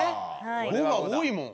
５が多いもん。